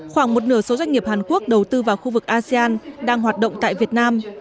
khoảng một nửa số doanh nghiệp hàn quốc đầu tư vào khu vực asean đang hoạt động tại việt nam